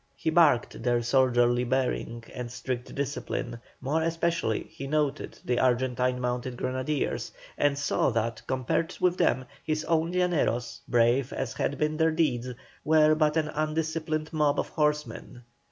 He marked their soldierly bearing and strict discipline, more especially he noted the Argentine mounted grenadiers, and saw that, compared with them, his own Llaneros, brave as had been their deeds, were but an undisciplined mob of horsemen.